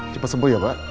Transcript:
cepat sembuh ya pak